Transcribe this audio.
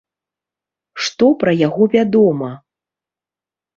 Што пра яго вядома?